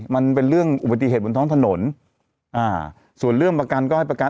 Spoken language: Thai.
มันเป็นเรื่องอุบัติเหตุบนท้องถนนอ่าส่วนเรื่องประกันก็ให้ประกัน